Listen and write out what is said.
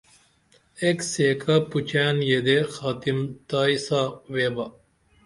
ایک سیکہ پوچئین یدے خاتم تائی سا ویبا